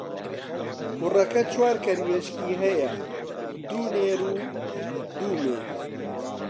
کوڕەکە چوار کەروێشکی هەیە، دوو نێر و دوو مێ.